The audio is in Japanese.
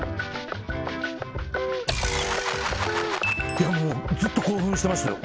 いやもうずっと興奮してましたよ